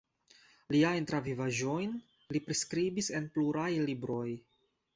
Liajn travivaĵojn li priskribis en pluraj libroj.